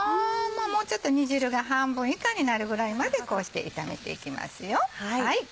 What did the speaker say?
もうちょっと煮汁が半分以下になるぐらいまでこうして炒めていきますよ。